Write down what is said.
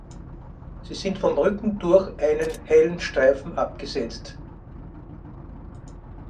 Sie sind vom Rücken durch einen hellen Streifen abgesetzt.